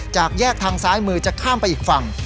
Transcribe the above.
จากแยกทางซ้ายมือจะข้ามไปอีกฝั่ง